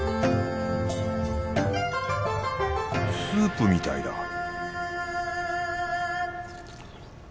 スープみたいだ